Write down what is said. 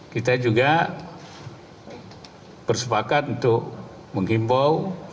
kita juga bersepakat untuk menghimbau